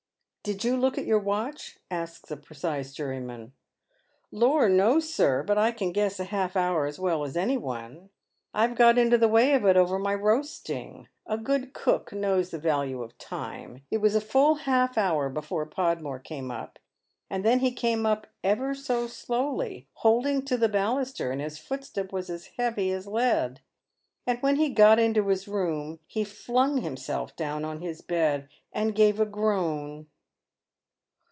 " Did you look at your watch? " asks a precise juryman. " Lor, no, sir. but I can guess a half )iour as well as any one. I've got in^ o the wav ot it over my roasting ; a good cook Committed for Trial. 371 knows the valne of time. It was a full half hoar before Podmore came up, and then he came up ever so slowly, holding to the baluster, and his footstep was as heavy as lead. And when he got into his room he flung himself down on his bed, and gave a groan.